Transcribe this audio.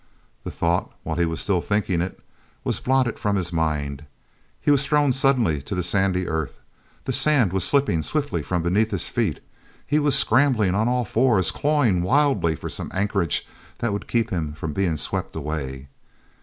The thought, while he was still thinking it, was blotted from his mind. He was thrown suddenly to the sandy earth; the sand was slipping swiftly from beneath his feet; he was scrambling on all fours, clawing wildly for some anchorage that would keep him from being swept away.